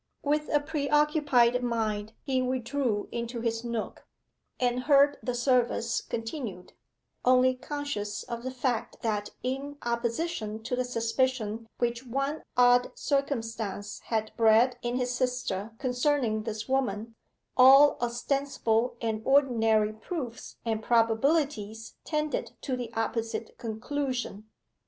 With a preoccupied mind he withdrew into his nook, and heard the service continued only conscious of the fact that in opposition to the suspicion which one odd circumstance had bred in his sister concerning this woman, all ostensible and ordinary proofs and probabilities tended to the opposite conclusion.